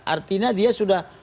artinya dia sudah